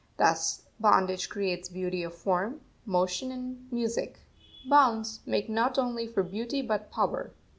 Thus bondage creates beauty of form, motion, and music; bounds make not only for beauty but power.